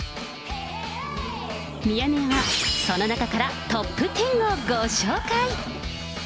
ミヤネ屋はその中からトップ１０をご紹介。